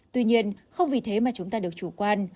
tuy nhiên không vì thế mà chúng ta được chủ quan